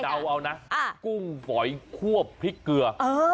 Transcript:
เดาเอานะกุ้งฝอยควบพริกเกลือ